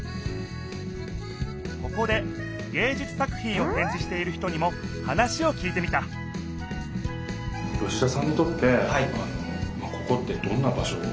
ここでげいじゅつ作ひんをてんじしている人にも話をきいてみた吉田さんにとってここってどんな場所なんですか？